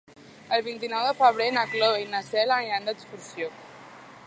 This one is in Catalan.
El vint-i-nou de febrer na Cloè i na Cel aniran d'excursió.